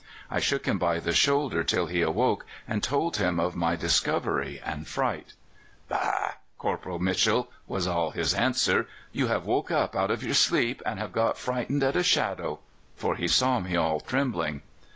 I shook him by the shoulder till he awoke, and told him of my discovery and fright. "'Bah, Corporal Mitchell!' was all his answer. 'You have woke up out of your sleep and have got frightened at a shadow' for he saw me all trembling.